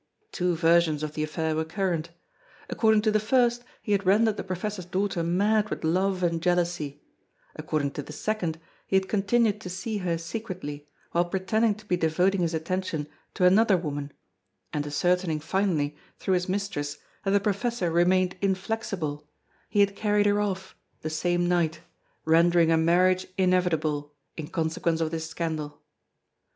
Two versions of the affair were current. According to the first, he had rendered the professor's daughter mad with love and jealousy; according to the second, he had continued to see her secretly, while pretending to be devoting his attention to another woman; and ascertaining finally through his mistress that the professor remained inflexible, he had carried her off, the same night, rendering a marriage inevitable, in consequence of this scandal.